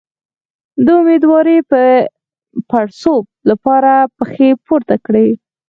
د امیدوارۍ د پړسوب لپاره پښې پورته کړئ